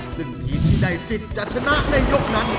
ซึ่งทีมที่ได้สิทธิ์จะชนะในยกนั้น